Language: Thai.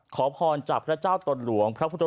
ขอพรจากพระเจ้าตนหลวงพระพุทธ